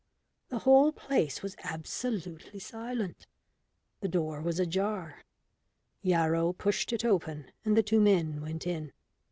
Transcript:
The whole place was absolutely silent. The door was ajar; Yarrow pushed it open, and the two men went in.